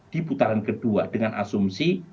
di putaran kedua dengan asumsi